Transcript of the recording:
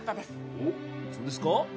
おそうですか？